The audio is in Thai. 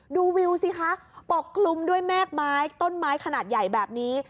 ดูวิวสิคะปกคลุมด้วยแม่กไม้ต้นไม้ขนาดใหญ่แบบนี้